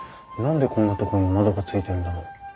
何でこんなところに窓がついてるんだろう？